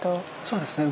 そうですね